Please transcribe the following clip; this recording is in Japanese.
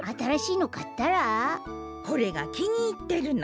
これがきにいってるの。